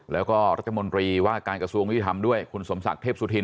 แล้วก็รัฐมนตรีว่าการกระทรวงยุติธรรมด้วยคุณสมศักดิ์เทพสุธิน